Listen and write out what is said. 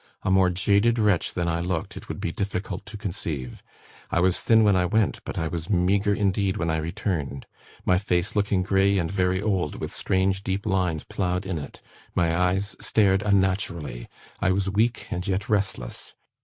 A more jaded wretch than I looked, it would be difficult to conceive. I was thin when I went, but I was meagre indeed when I returned, my face looking grey and very old, with strange deep lines ploughed in it my eyes stared unnaturally. I was weak and yet restless.